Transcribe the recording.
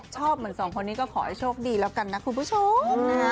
ชอบเหมือนสองคนนี้ก็ขอให้โชคดีแล้วกันนะคุณผู้ชมนะฮะ